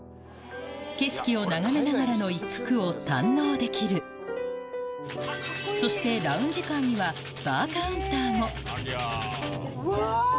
景色を眺めながらの一服を堪能できるそしてラウンジカーにはバーカウンターもうわ！